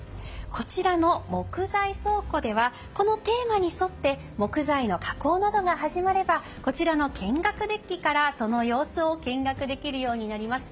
こちらの木材倉庫ではこのテーマに沿って木材の加工などが始まればこちらの見学デッキからその様子を見学できるようになります。